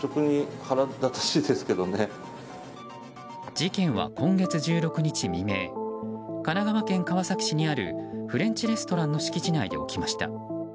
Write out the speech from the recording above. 事件は今月１６日未明神奈川県川崎市にあるフレンチレストランの敷地内で起きました。